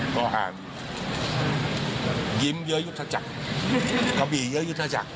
ก็ห่างยิ้มเยอะยุทธจักรกะบี่เยอะยุทธจักร